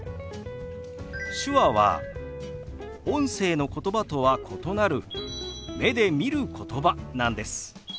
手話は音声のことばとは異なる目で見ることばなんです。